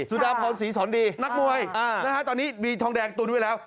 สุดาพรศรีสอนดีนักมวยตอนนี้มีทองแดงตุนไว้แล้ว